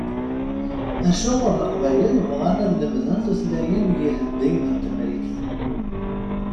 Acuɣer Iqbayliyen bɣan ad lemden tutlayin n yihendiyen n Temrikt?